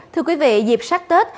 thưa quý vị dịp sát tết